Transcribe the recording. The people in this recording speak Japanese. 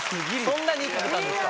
そんなに食べたんですか。